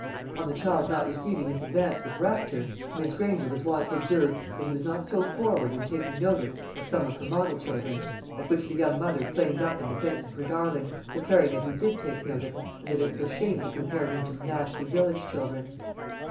On the child not receiving this advance with rapture, Miss Granger was wont to observe that he was not so forward in taking notice as some of her model children; at which the young mother flamed up in defence of her darling, declaring that he did take notice, and that it was a shame to compare him to "nasty village children."